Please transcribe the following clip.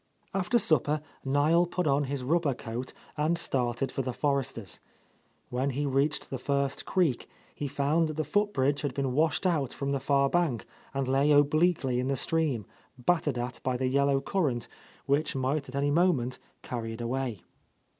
After suppeir Niel ' put on his rubber coat and started for the Forresters'. When he reached the first creek, he found that the foot bridge had been washed out from the far bank and lay obliquely in the stream, battered at by the yellow current which might at any moment carry it away.